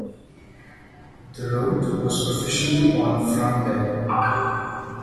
The rout was officially on from there.